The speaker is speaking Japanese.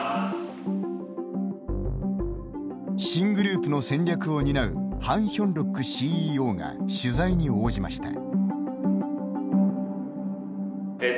新グループの戦略を担うハン・ヒョンロックＣＥＯが取材に応じました。